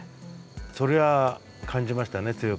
それは感じましたね強く。